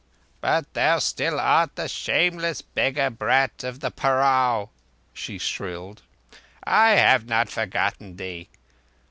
"But thou art still the shameless beggar brat of the parao," she shrilled. "I have not forgotten thee.